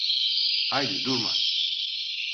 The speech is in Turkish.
Haydi durma.